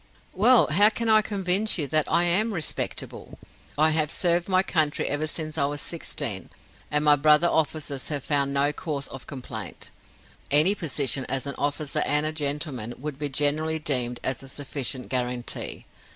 "Well, how can I convince you that I am respectable? I have served my country ever since I was sixteen, and my brother officers have found no cause of complaint any position as an officer and a gentleman would be generally deemed a sufficient guarantee.